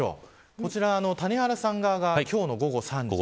こちら谷原さん側が今日の午後３時。